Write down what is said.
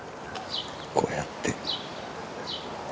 こうやって。